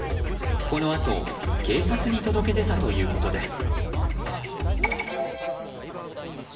このあと警察に届け出たということです。